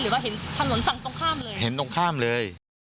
ว่าเห็นถนนฝั่งตรงข้ามเลยเห็นตรงข้ามเลย